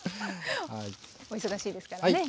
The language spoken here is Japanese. お忙しいですからね。